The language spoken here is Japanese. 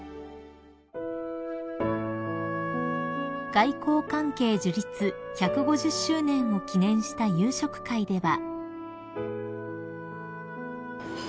［外交関係樹立１５０周年を記念した夕食会では］